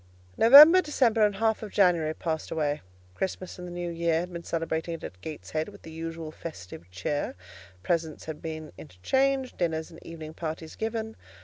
November, December, and half of January passed away. Christmas and the New Year had been celebrated at Gateshead with the usual festive cheer; presents had been interchanged, dinners and evening parties given.